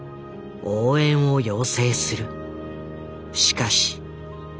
しかし。